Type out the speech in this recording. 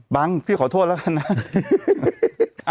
พี่ขอโทษแล้วกันนะ